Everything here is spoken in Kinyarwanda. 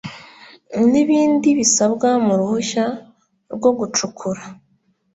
N ibindi bisabwa mu ruhushya rwo gucukura